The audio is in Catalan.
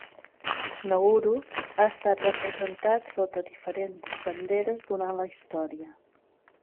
Nauru, ha estat representat sota diferents banderes durant la història.